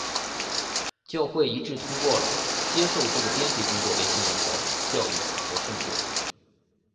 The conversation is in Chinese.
教会一致通过了接受这个编辑工作为信仰的教义和圣约。